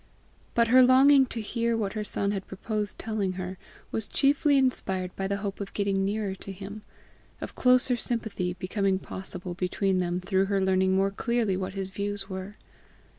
But her longing to hear what her son had proposed telling her, was chiefly inspired by the hope of getting nearer to him, of closer sympathy becoming possible between them through her learning more clearly what his views were.